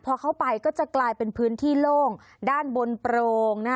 พอเข้าไปก็จะกลายเป็นพื้นที่โล่งด้านบนโปรง